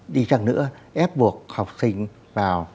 đi chẳng nữa ép buộc học sinh vào